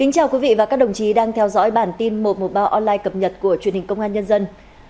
chào mừng quý vị đến với bản tin một trăm một mươi ba online cập nhật của truyền hình công an nhân dân